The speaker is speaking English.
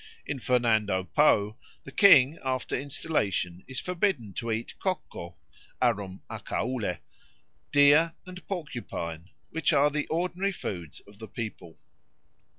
In Fernando Po the king after installation is forbidden to eat cocco (arum acaule), deer, and porcupine, which are the ordinary foods of the people.